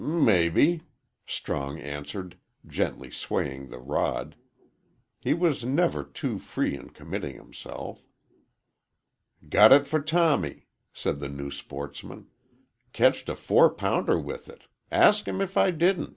"Mebbe," Strong answered, gently swaying the rod. He was never too free in committing himself. "Got it for Tommy," said the new sportsman. "Ketched a four pounder with it ask him if I didn't."